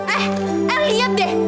eh eh liat deh